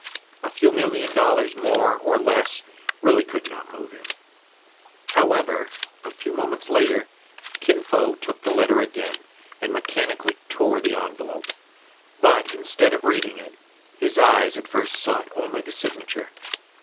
A few million dollars more or less really could not move him. 46 TRIBULATIONS OF A CHINAMAN, However, a few moments later, Kin Fo took the letter again, and mechanically tore the envelope ; but, instead of reading it, his eyes at first sought only the signature.